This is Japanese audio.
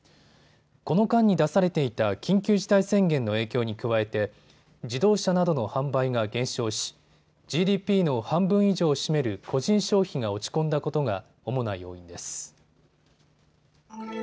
この間に出されていた緊急事態宣言の影響に加えて自動車などの販売が減少しＧＤＰの半分以上を占める個人消費が落ち込んだことが主な要因です。